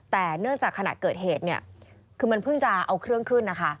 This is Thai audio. แต่เนื่องจากขณะเกิดเหตุเนี่ยคือมันเพิ่งจะเอาเครื่องขึ้นนะคะ